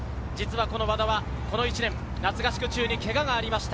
和田はこの１年、夏合宿中にけががありました。